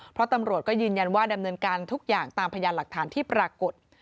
เพราะตำรวจก็ยืนยันว่าดำเนินการทุกอย่างตามพยานหลักฐานที่ปรากฏ